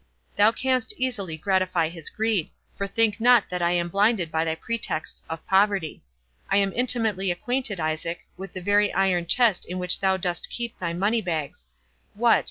Thou canst easily gratify his greed; for think not that I am blinded by thy pretexts of poverty. I am intimately acquainted, Isaac, with the very iron chest in which thou dost keep thy money bags—What!